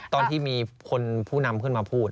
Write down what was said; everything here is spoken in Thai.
ตอนที่มีคนผู้นำขึ้นมาพูด